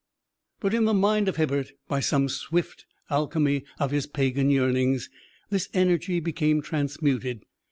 But in the mind of Hibbert, by some swift alchemy of his pagan yearnings, this energy became transmuted.